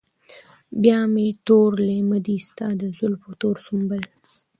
بيا مې تور لېمه دي ستا د زلفو تور سنبل